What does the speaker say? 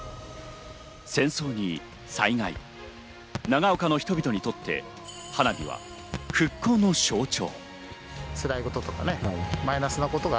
戦争に災害、長岡の人々にとって花火は復興の象徴。